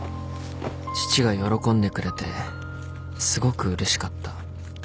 父が喜んでくれてすごくうれしかった。